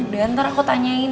dan ntar aku tanyain